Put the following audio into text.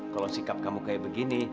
kalau sikap kamu kayak begini